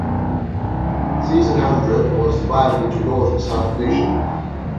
Seison Hundred was divided into North and South Divisions.